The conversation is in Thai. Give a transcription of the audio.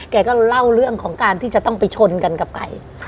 แกก็เล่าเรื่องที่จะต้องไปชนกับไก่